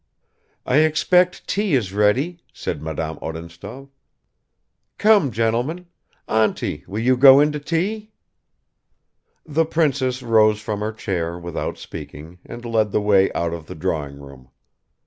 . "I expect tea is ready," said Madame Odintsov. "Come, gentlemen; auntie, will you go in to tea?" The princess rose from her chair without speaking and led the way out of the drawing room.